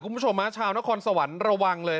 คุณผู้ชมฮะชาวนครสวรรค์ระวังเลย